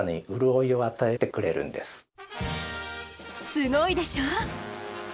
すごいでしょ。